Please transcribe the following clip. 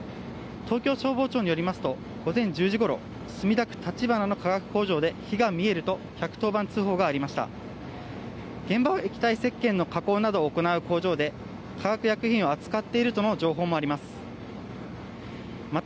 東京消防庁によりますと午前１０時ごろ墨田区立花の化学工場で火が見えると１１０番通報がありました。